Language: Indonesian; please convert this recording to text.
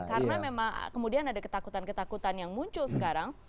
karena memang kemudian ada ketakutan ketakutan yang muncul sekarang